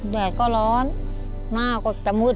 แดดก็ร้อนหน้าก็จะมืด